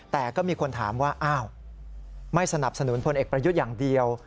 แต่ก็มีคนถามว่าอ้าวไม่สนับสนุนพลเอกประยุทธ์อย่างเดียว